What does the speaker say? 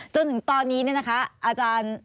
จนถึงตอนนี้เนี่ยนะคะอาจารย์